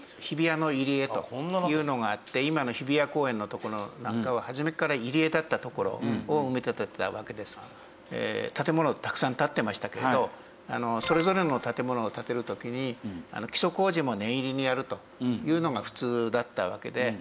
日比谷の入江というのがあって今の日比谷公園の所なんかは初めから入江だった所を埋め立てたわけですから建物たくさん立ってましたけれどそれぞれの建物を建てる時に基礎工事も念入りにやるというのが普通だったわけで。